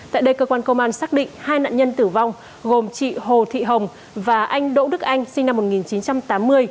tại đây cơ quan công an xác định hai nạn nhân tử vong gồm chị hồ thị hồng và anh đỗ đức anh sinh năm một nghìn chín trăm tám mươi